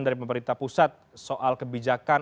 dari pemerintah pusat soal kebijakan